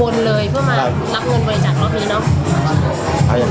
น้อน้อก็ได้แถ่ก้วนหนึ่งครั้งนี้ครับ